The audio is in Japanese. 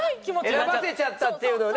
選ばせちゃったっていうのね。